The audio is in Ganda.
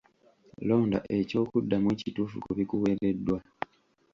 Londa eky'okuddamu ekituufu ku bikuweereddwa.